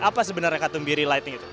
apa sebenarnya katumbiri lighting itu